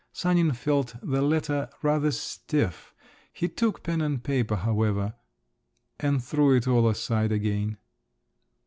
Sanin felt the letter rather stiff, he took pen and paper, however … and threw it all aside again.